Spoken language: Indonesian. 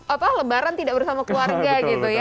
apa lebaran tidak bersama keluarga gitu ya